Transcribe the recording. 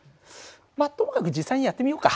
まっともかく実際にやってみようか。